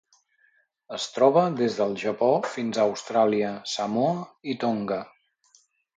Es troba des del Japó fins a Austràlia, Samoa i Tonga.